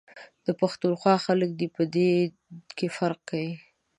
د پښتونخوا خلک دی ، په دي او دی.دے کي فرق کوي ،